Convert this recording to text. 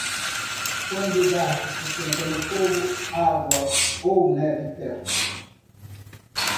Quando o gato se senta no fogo, água ou neve perto.